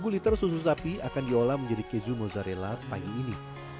satu liter susu sapi akan diolah menjadi keju mozzarella pagi ini